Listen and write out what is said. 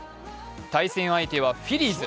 対戦相手はフィリーズ。